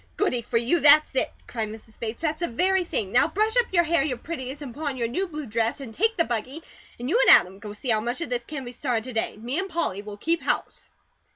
"Goody for you! That's it!" cried Mrs. Bates. "That's the very thing! Now brush up your hair your prettiest, and put on your new blue dress, and take the buggy, and you and Adam go see how much of this can be started to day. Me and Polly will keep house."